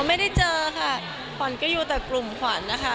ไม่ได้เจอค่ะขวัญก็อยู่แต่กลุ่มขวัญนะคะ